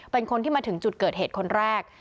เป็นคนที่มาถึงจุดเกิดเหตุคนแรก